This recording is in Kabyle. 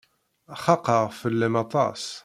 Xaqeɣ fell-am aṭas.